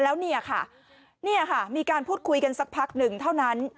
แล้วเนี่ยค่ะเนี่ยค่ะมีการพูดคุยกันสักพักหนึ่งเท่านั้น